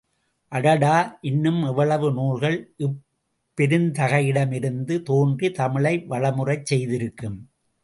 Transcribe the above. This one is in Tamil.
அடடா இன்னும் எவ்வளவு நூல்கள் இப்பெருந்தகையிடமிருந்து தோன்றி தமிழை வளமுறச் செய்திருக்கும்.